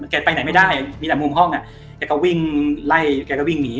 แกไปไหนไม่ได้มีแต่มุมห้องอ่ะแกก็วิ่งไล่แกก็วิ่งหนี